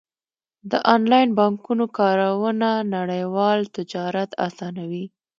د انلاین بانکونو کارونه نړیوال تجارت اسانوي.